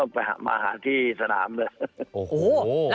ไปหาที่สนามเลย